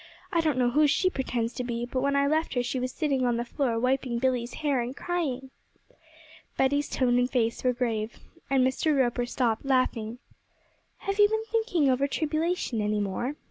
I don't know who she pretends to be, but when I left her she was sitting on the floor wiping Billy's hair and crying.' Betty's tone and face were grave, and Mr. Roper stopped laughing. 'Have you been thinking over tribulation any more?'